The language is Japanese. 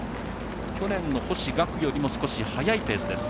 去年の星岳よりも少し速いペース。